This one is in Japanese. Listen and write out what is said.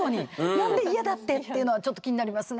何で「イヤだ」ってっていうのはちょっと気になりますね。